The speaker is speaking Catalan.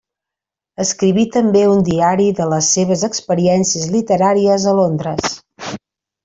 Escriví també un diari de les seves experiències literàries a Londres.